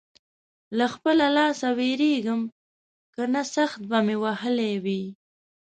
له خپله لاسه وېرېږم؛ که نه سخت به مې وهلی وې.